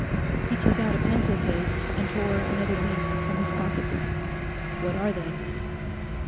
He took out a pencil case and tore another leaf from his pocket book. 'What are they?